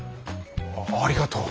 あありがとう。